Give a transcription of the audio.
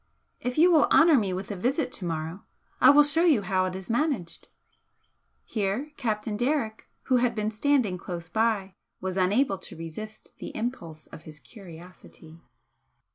If you will honour me with a visit to morrow I will show you how it is managed." Here Captain Derrick, who had been standing close by, was unable to resist the impulse of his curiosity.